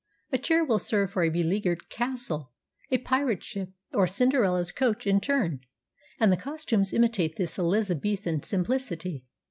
A chair will serve for a beleagured castle, a pirate ship, or Cinderella's coach in turn, and the costumes imitate this Elizabethan simplicity.